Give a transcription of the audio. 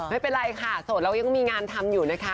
ไม่เป็นไรค่ะโสดเรายังมีงานทำอยู่นะคะ